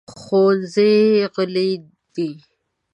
ښوونځی غلی دی.